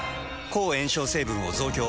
抗炎症成分を増強。